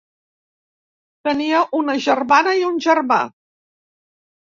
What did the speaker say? Tenia una germana i un germà.